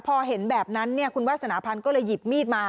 พอเห็นแบบนั้นคุณวาสนาพันธ์ก็เลยหยิบมีดมา